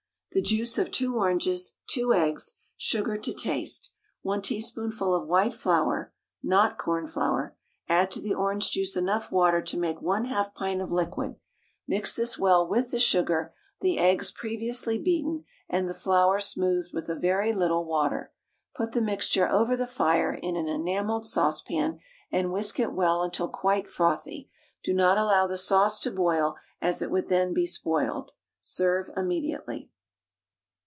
The juice of 2 oranges, 2 eggs, sugar to taste, 1 teaspoonful of white flour (not cornflour), add to the orange juice enough water to make 1/2 pint of liquid; mix this well with the sugar, the eggs previously beaten, and the flour smoothed with a very little water; put the mixture over the fire in an enamelled saucepan, and whisk it well until quite frothy; do not allow the sauce to boil, as it would then be spoiled. Serve immediately.